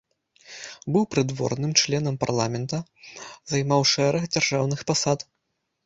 Быў прыдворным, членам парламента, займаў шэраг дзяржаўных пасад.